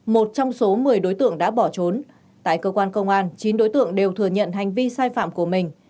một trong số một mươi đối tượng đã bỏ trốn tại cơ quan công an chín đối tượng đều thừa nhận hành vi sai phạm của mình